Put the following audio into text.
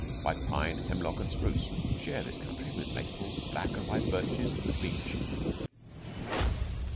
White pine, hemlock, and spruce share this country with maples, black and white birches, and beech.